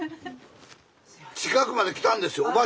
近くまで来たんですよ。